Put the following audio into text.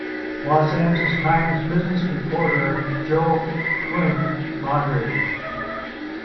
"Los Angeles Times" business reporter Joe Flint moderated.